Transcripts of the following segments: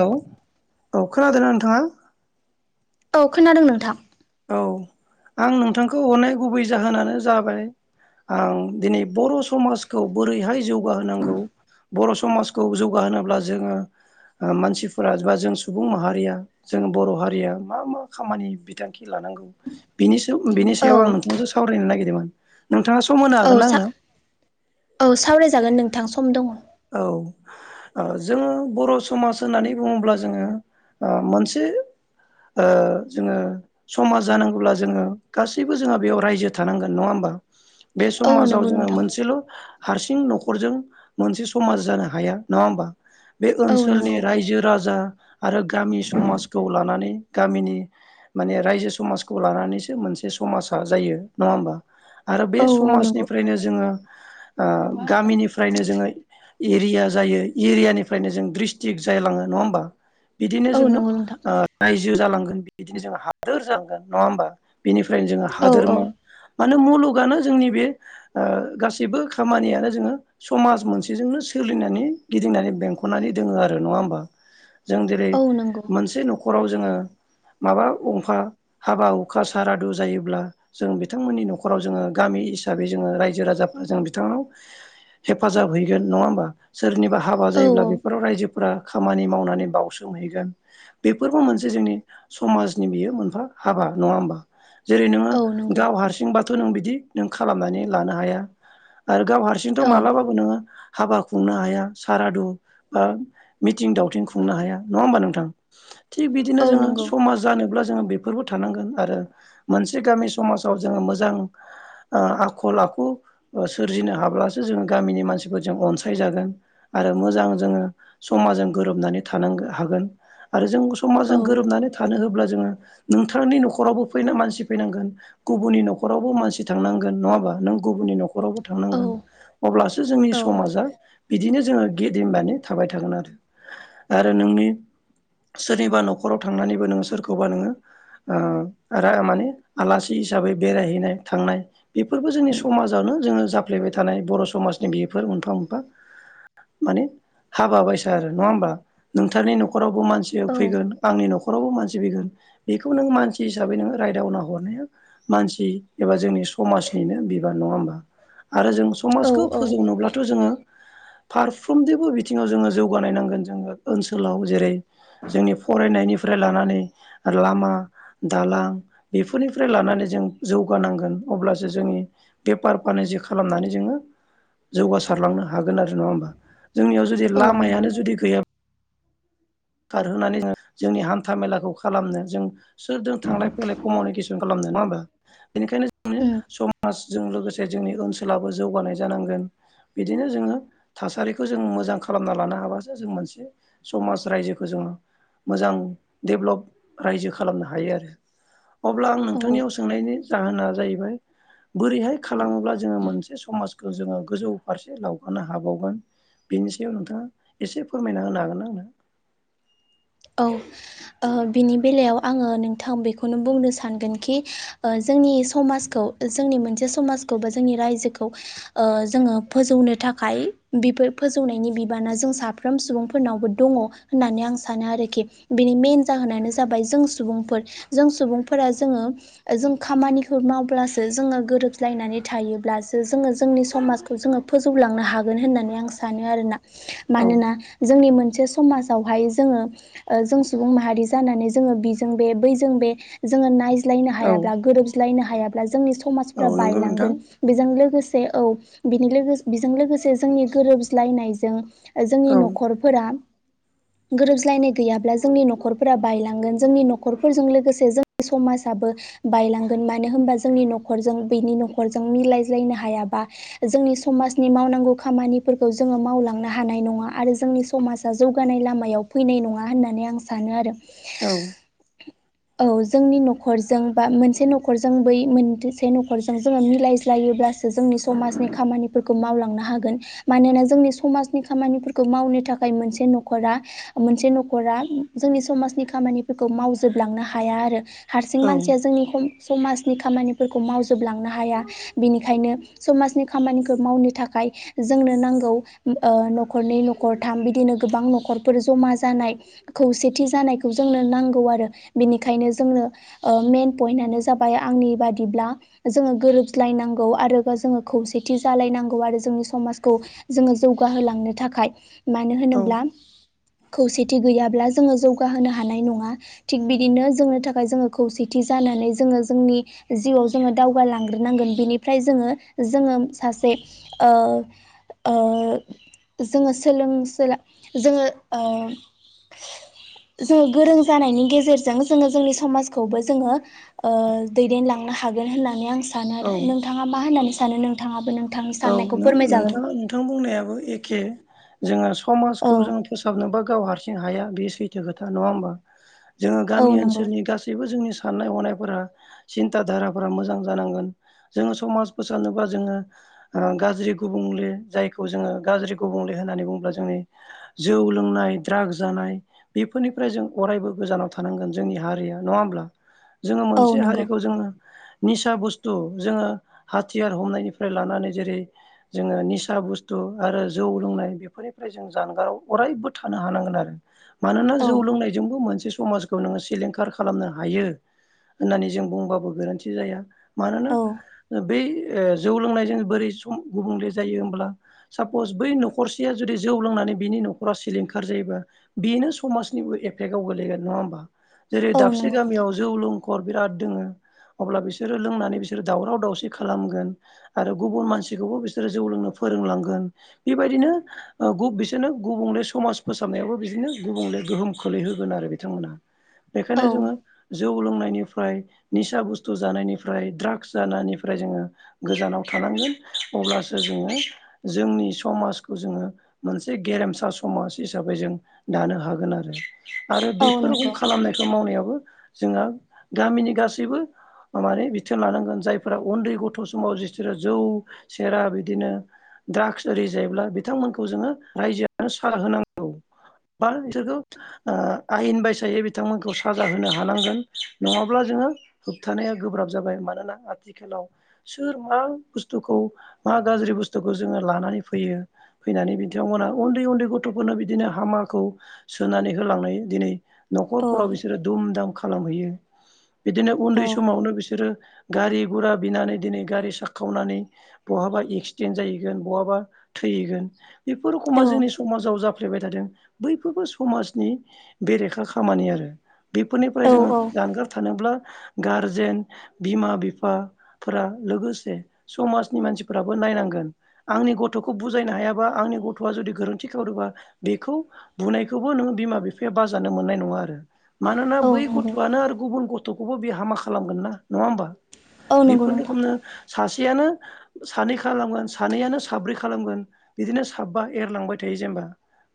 औ औ खोनादोंना नोंथाङा? औ खोनादों नोंथां।। औ आं नोंथांखौ हरनाय गुबै जाहोनानो जाबाय आं दिनै बर' समाजखौ बोरैहाय जौगाहोनांगौ बर' समाजखौ जौगाहोनोब्ला जोङो ओ मानसिफोरा बा जों सुबुं माहारिया जों बर' हारिया मा मा खामानि बिथां खि लानांगौ बिनि सायाव बिनि औ सायाव आं नोंथां सावरायनो नागिरदोंमोन। नोंथाङा सम होनो औ हागोन ना सा आंनो औ सावरायजागोन नोंथां सम दङ। औ ओ जोङो बर' समाज होननानै बुङोब्ला जोङो ओ मोनसे ओ जोङो समाज जानांगौब्ला जोङो गासैबो जोंहा बेयाव रायजो थानांगोन नङा होम बा बे औ समाजाव नंगौ जोङो नोंथां मोनसेल' हारसिं न'खरजों मोनसे समाज जानो हाया नङा होमबा बे औ ओनसोलनि नंगौ रायजो राजा आरो गामि समाजखौ लानानै गामिनि माने रायजो समाजखौ लानानैसो मोनसे समाजा जायो नङा होमबा। आरो बे औ औ नंगौ समाजनिफ्रायनो जोङो ओ गामिनिफ्रायनो जोङो एरिया जायो एरियानिफ्रायनो जों ड्रिस्ट्रिक्ट जायलाङो नङा होमबा। बिदिनो औ जोङो नंगौ नोंथां ओ रायजो जालांगोन बिदिनो जोङो हादोर जालांगोन नङा होमबा। बेनिफ्रायनो जोङो औ औ हादोरमा मानो मुलुगानो जोंनि बे ओ गासैबो खामानियानो जोङो समाज मोनसे बिजोंनो सोलिनानै गिदिंनानै बेंख'नानै दोङो आरो नङा होमबा। जों जेरै औ नंगौ मोनसे न'खराव जोङो माबा गंफा हाबा हुखा सारादु जायोब्ला जों बिथांमोननि न'खराव जोङो गामि हिसाबै जोङो रायजो राजाफोरा जों बिथांनाव हेफाजाब हैयो। नङा होबा सोरनिबा हाबा औ जायो औ बेफोराव रायजो फ्रा खामानि मावनानै बावउसोमहैगोन बेफोरबो मोनसे जोंनि समाजनि बियो मोनफा हाबा नङा होमबा। जेरै नोङो औ नंगौ गाव हारसिंबाथ' नों बिदि नों खालामनानै लानो हाया। आरो गाव हारसिंथ' औ मालाबाबो नोङो हाबा खुंनो हाया सारादु बा मिथिं दावथिं खुंनो हाया नङा होमबा नोंथां।। थिग बिदिनो औ जोंङो नंगौ समाज जानोब्ला जोङो बेफोरबो थानांगोन आरो मोनसे गामि समाजाव जोङो मोजां ओ आखल आख खु सोरजिनो हाब्लासो जों गामिनि मानसि फोरजो जों अनसायजागोन आरो मोजां जोंङो समाजजों गोरोबनानै थानांगो हागोन। आरो जों औ समाजजों गोरोबनानै थानो होब्ला जोंङो नोंथांनि न'खरावबो फैना मानसि फैनांगोन गुबुननि न'खरावबो मानसि थांनांगोन नङा होनबा नों गुबुननि न'खरावबो औ थांनांगोन अब्लासो जोंनि समाजा बिदिनो जोङो गेदिमबानो थाबाय थागोन आरो आरो नोंनि सोरनिबा न'खराव थांनानैबो नोंङो सोरखौबा नोंङो ओ आरा माने आलासि हिसाबै बेरायहैनाय थांनाय बेफोरबो जोंनि समाजावनो जोंङो जाफ्लेबाय थानाय बर' समाजनि बि फोर मोनफा मोनफा माने हाबा बायसा आरो नङा होनबा नोंथांनि न'खराव बो मानसि औ फैगोन आंनि न'खर न'खरावबो मानसि फैगोन बेखौ नोंङो मानसि हिसाबै नोङो रायदावना हरनाया मानसि एबा जोंनि समाजनिनो बिबान नङा होमबा आरो जों समाजखौ औ औ फोजौनोब्लाथ' जोंङो फारफ्रोमनिबो बिथिङाव जोंङो जौगानाय नांगोन जोंङो ओनसोलाव जेरै जोंनि फरायनायनिफ्राय लानानै लामा दालां बेफोरनिफ्राय लानानै जों जौगानांगोन अब्लासो जोंनि बेफार फानि जो खालामनानै जोंङो जौगासारलांनो हागोन आरो नङा होमबा जोंनियाव जुदि औ नंगौ लामायानो जुदि गैयाब खारहोनानै जों जोंनि हान्था मेलाखौ खालामनो जों सोरजों थांलाय फैलाय कमिउनिकेसन खालामनो नङा होनबा? बेनिखायनो जों उम समाजजों लोगोसे जोंनि ओनसोलाबो जौगानाय जानांगोन। बिदिनो जोंङो थासारिखौ जों मोजां खालामना लानो हाबासो जों मोनसे समाज रायजो खौ जोङो मोजां डेभलप रायजो खालामनो हायो आरो। अब्ला आं नोंथांनियाव सोंनायनि जाहोना जाहैबाय। बोरैहाय खालामोब्ला जोंङो मोनसे समाजखौ जोंङो गोजौ फारसे दावखोनो हाबावगोन? बेनि सायाव नोंथांङा एसे फोरमायना होनो हागोनना आंनो? औ। ओ बिनि बेलायाव आंङो नोंथां बेखौनो बुंनो सानगोन खि ओ जोंनि समाजखौ जोंनि मोनसे समाजखौ बा जोंनि रायजोखौ ओ जोंङो फोजौनो थाखाय बेफो फोजौनायनि बिबाना जों साफ्रोम सुबुंफोरनावबो दङ होननानै आं सानो आरो। [unintelligible] बिनि मेन जाहोनानो जाबाय जों सुबुंफोर जों सुबुंफोरा जोंङो जों खामानि खामानिखौ मावब्लासो जोंङो गोरोबलायनानै थायोब्लासो जोंङो जोंनि समाजखौ जोंङो फोजौलांनो हा हागोन होननानै आं सानो आरोना औ मानोना जोंनि मोनसे समाजावहाय जोंङो जों सुबुं माहारि जानानै जोंङो बिजों बे बैजों बे जोंङो नाय ज्लायनो औ हायाब्ला गोरोब्लायनो हायाब्ला जोंनि औ समाजफोरा नंगौ नोंथां बायलांगोन बेजों लोगोसे औ बिनि लोगो बेजों लोगोसे जोंनि गोरोबज्लायनायजों जोंनि औ न'खरफोरा गोरोबज्लायनाय गैया ब्ला जोंनि न'खर बायलांगोन जोंनि न'खरजों लोगोसे जों समाजाबो बायलांगोन। होनबा जोंनि न'खजों बिनि न'खरजों मिलाय लायनो हाया जोंनि समाजनि मावनांगौ खामानिफोरखौ जोङो मावलांनो हानाय नङा आरो जोंनि समाजा जौगानाय लामायाव फैनाय नङा होनना नै आं सानो आरो। औ औ जोंनि न'खरजों बा मोनसे न'खरजों बै मोनसे न'खरजों जोङो मिलायज्लायो ब्लासो जोंनि समाजनि खामानिफोरखौ मावलांनो हागोन मानोना जोंनि समाजनि खामानिफोरखौ माव नो थाखाय मोनसे न'खरा मोनसे न' खरा जोंनि समाजनि खामानिफोरखौ मावजोबलांनो हाया आरो हारसिं औ मानसिया जोंनि ह समाजनि खामानिफोरखौ मावजोबलांनो हाया बिनिखायनो समाजनि खामानिखौ मावनो थाखाय जोंनो नांगौ ओ न'खरनै न'खरथाम बिदिनो गोबां न'खरफोर ज'मा जानाय खौसेथि जानायखौ जोंनो नांगौ आरो बिनिखायनो जोंनो ओ मेइन पइन्टानो जाबाय आंनि बादिब्ला जोङो गोरोबज्लायनांगौ आरो बा जोङो खौसेथि जालायनांगौ आरो जोंनि समाजखौ जोङो जौगाहोलांनो थाखाय मानो औ होनोब्ला खौसे गैयाब्ला जोङो जौगाहोनो हानाय नङा थिग बिदिनो जोंनो थाखाय जोङो खौसेथि जानानै जोङो जोंनि जिवाव जोङो दावगालांग्रोनांगोन बिनिफ्राय जोङो जोङो सासे ओ ओ जोङो सोलों सोला जोङो ओ [unintelligible] जोङो गोरों जानायनि गेजेरजों जोङो जोंनि समाजखौबो जोङो ओ दैदेनलां हागोन होननानै आं सानो औ आरो नोंथाङा मा होननानै सानो नों औ नों नोंथां नोंथां बुंनायाबो एखे जोङो समाजखौ जों औ फोसाबनोबा गाव हारसिं हाया बे सैथो खोथा नङा होमबा जोङो औ गामि नंगौ ओनसोलनि गासैबो जोंनि साननाय ह'नायफोरा सिन्था धाराफोरा मोजां जानांगोन जोङो समाज फोसानोबा जोङो ओ गाज्रि गुबुंले जायखौ जोङो गाज्रि गुबुंले होननानै बुङोब्ला जोंनि जौ लोंनाय ड्राग्स जानाय बेफोरनिफ्राय जों अरायबो गोजानाव थानांगोन जोंनि हारिया नङा होमब्ला जोङो औ मोनसे नंगौ हारिखौ जोङो निसा बुस्थु जोङो हाथियार हमनायनि लानानै जेरै जोङो निसा बुस्थु आरो जौ लोंनाय बेफोरनिफ्राय जों जानगाराव अ बो थानो हानांगोन आरो मानोना औ जौ लोंनायजोंबो मोनसे समाजखौ नोङो सिलिंखार खालामनो हायो होननानै जों बुंबाबो गोरोनथि जाया मानोना औ बे ओ जौ लोंनायजों बोरै सम गुबुंले जायो होमब्ला सापस बै न'खरसेया जुदि जौ लोंनानै बिनि न'खरा सिलिंखार जायोबा बेनो समाजनिबो एफेक्टाव गोग्लैगोन नङा होमबा जेरै औ दाबसे नंगौ नोंथां गामियाव जौ लोंखर बिराद लोङो अब्ला बिसोरो लोंनानै बिसोरो दावराव दावसि खालामगोन आरो गुबुन मानसिखौबो बिसोरो जौ लोंनो फोरोंलांगोन बेबायदिनो ओ बिसोरनो गु गुबुंले समाज फोसाबनायावबो बिदिनो गुबुंले गोहोम खोलैहोगोन आरो बिथांमोनहा बेखायनो औ जोङो जौ लोंनायनि फाय निसा बुस्थु जानायनिफ्राय द्राग्स जानायनिफ्राय जोङो गोजानाव थानांगोन अब्लासो जोङो जोंनि समाजखौ जोङो मोनसे गे गेरेमसा समाज हिसाबै जों दानो हागोन आरो आरो औ बेफोर रखम नंगौ खालामनायखौ मावनायाबो जोंहा गामिनि गासैबो माने बिथोन लानांगोन जायफोरा उन्दै गथ' समाव जिथोरो जौ सेरा बिदिनो द्राग्स ओरि जायोब्ला बिथांमोनखौ जोङो रायजोआनो साहा होनांगौ बा बिसोरखौ ओ आयेन बायसायै बिथांमोनखौ साजा होनो हानांगोन नङाब्ला जों होबथानाया गोब्राब जाबाय मानोना आथिखालाव सोर मा बुस्थुखौ मा गाज्रि बुस्थुखौ जोङो लानानै फैयो फैनानै बिथांमोनहा उन्दै गथ'फोरनो बिदिनो हामाखौ सोनानै होलांनाय दिनै औ न'खरफोराव बिसोरो दुम दाम खालामहैयो बिदिनो उन्दै औ समावनो बिसोरो गारि गुरा बिनानै दिनै गारि साखावनानै बहाबा एक्सिडेन्ट जाहैगोन बहाबा थैहैगोन बेफोर रखमा औ जोंनि समाजाव जाफ फ्लेबाय थादों बैफोरबो समाजनि बेरेखा खामानि आरो बेफोरनिफ्राय औ जोङो औ जानगार थानोब्ला गारजेन बिमा बिफा फोरा लोगोसे समाजनि मानसिफोराबो नायनांगोन आंनि गथ'खौ बुजायनो हायाबा आंनि गथ'आ जुदि गोरोन्थि खालामदों बेखौ बुनायखौबो नों बिमा बिफाया बाजानो मोननाय नङा आरो मानोना औ बै नंगौ गथ'आनो आरो गुबुन गथ'खौबो बे हामा खालामगोन ना नङा होमबा औ नंगौ बेफोर नोंथां रखमनो सासे थियानो सानै खालामगोन सानैयानो साब्रै खालामगोन बिदिनो साबा एरलांबाय थायो जेनेबा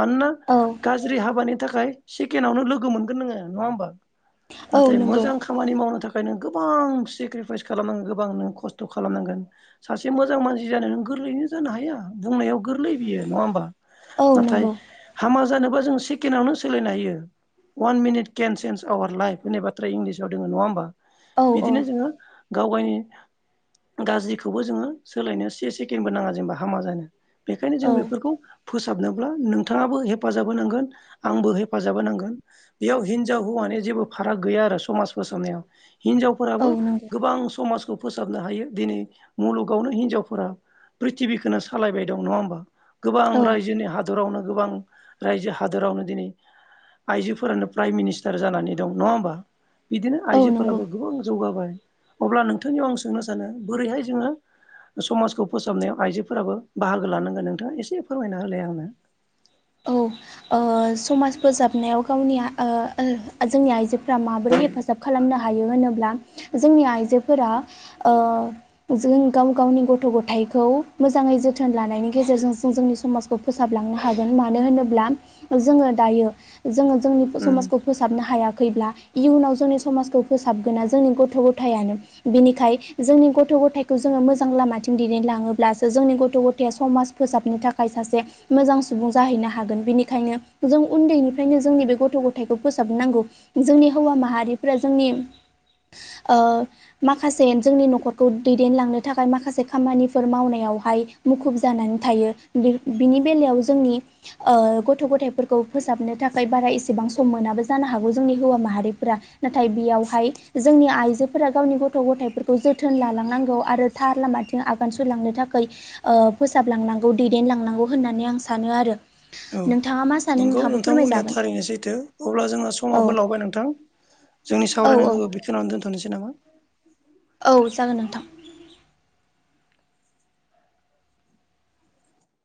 मानोना औ गाज्रि हाबानि थाखाय सिकेनावनो लोगो मोनगोन नोङो नङा होमबा औ नाथाय नंगौ मोजां खामानि मावनो थाखाय नों गोबां सेक्रिफाइस खालामनांगोन गोबां खस्थ' खालामनांगोन सासे मोजां मानसि जानो नों गोरलैनो जानो हाया बुंनायाव गोरलै बियो नङा होमबा औ नाथाय नंगौ हामा जानोबा जों सेकेनावनो सोलायनो हायो। अवान मिनिट केेन सेन्स आवार लाइफ होननाय बाथ्रा इंलिसाव दोङो नङा होमबा औ औ बिदिनो जोङो। गाव गायनि गाज्रिखौबो जोङो सोलायनो से सेकेणडबो नाङा जेनेबा हामा जानो। बेखायनो जों औ बेफोरखौ फोसाबनोब्ला नोंथाङाबो हेफाजाब होनांगोन आंबो हेफाजाब होनांगोन। बेयाव हिनजाव हौवानि जेबो फाराग गैया आरो समाज फोसावनायाव औ हिनजावफोराबो नंगौ गोबां समाजखौ फोस फोथाबनो हायो दिनै मुलुगावनो हिनजावफोरा प्रिथिबिखौनो सालायबाय दं नङा होमबा। गोबां औ रायजोनि हादरावनो गोबां रायजो हादरावनो दिनै आइजोफोरानो प्राइम मिनिस्टार जानानै दं नङा होमबा बिदिनो औ नंगौ आइजोफोराबो गोबां जौगाबाय। अब्ला नोंथांनियाव आं सोंनो सानो बोरैहाय जोङो समाजखौ फोसाबनायाव आइजोफोराबो बाहागो लानांगोन नोंथाङा एसे फोरमायना होलाय आंनो औ समाज फोजाबनायाव गावनि जोंनि आइजो फोरा माबोरै हेफाजाब खालामनो हायो होनोब्ला जोंनि आइजोफोरा जों गाव गावनि गथ' गथायाइखौ मोजां जोथोन लानायनि गेजेरजों जों जोंनि समाजखौ फोसाबलांनो हागोन। मानो होनोब्ला जोंङो दायो जोंङो जोंनि उम समाजखौ फोसाबनो हाया। खैब्ला इयुनाव जोंनि समाजखौ फोसाबगोना जोंनि गथ' गथायानो बिनिखायनो जोंनि गथ' ग' गथायखौ जोंङो मोजां लामाथिं दिदेनलाङोब्लासो जोंनि गथ' गथाय समाज फोसाबनो थाखाय सासे मोजां सुबुं जाहैनो हागोन बेनिखायनो जों उन्दैनिफ्रायनो जोंनि बे गथ' गथायखौ फोसाबनांगौ जोंनि हौवा माहारिफोरा जोंनि ओ माखासे जोंनि न'खरखौ दैदेनलांनो थाखाय माखासे खामानिफोर मावनायाव मुुखुब जानानै थायो बेनि बेलायाव जों ओ गथ' थायफोरखौ फोसाबनो थाखाय बारा एसेबां सम मोनाबो जानो हागौ जोंनि हौवा माहारिफोरा नाथाय बेयावहाय जोंनि आइजोफोरा गावनि गथ' गथायफोरखौ जोथोन लालांनांगौ। आरो थार लामाथिं आगान सुरलांनो थाखाय ओ फोसाबलांनांगौ दैदेनलांनांगौ होन्नानै आं सानो। सानो आरो औ नोंथाङा मा नंगौ नोंथाङाबो नोंथां बुंनाय या फोरमायजागोन थारैनो सैथो अब्ला जोंहा औ समाबो लावबाय नोंथां। जोंनि औ औ सावरायनांगौ बेखौनो दोनथ'नोसै नामा। औ जागोन नोंथां।